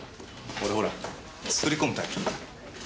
俺ほら作り込むタイプだから。